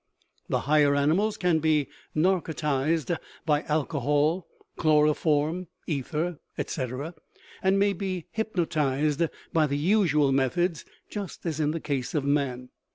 The higher animals can be nar cotized by alcohol, chloroform, ether, etc., and may be hypnotized by the usual methods, just as in the case of man.